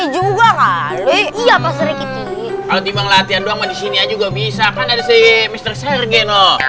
juga bisa kan ada sih mister sergei